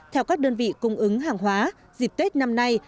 theo các đơn vị cung ứng hàng hóa dịp tết năm nay